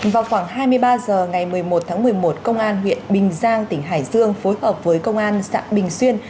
vào khoảng hai mươi ba h ngày một mươi một tháng một mươi một công an huyện bình giang tỉnh hải dương phối hợp với công an xã bình xuyên